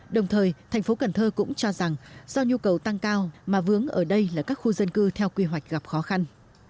đồng thời thành phố cần thơ cũng cho rằng do nhu cầu tăng cao mà vướng ở đây là các khu dân cư theo quy hoạch gặp khó khăn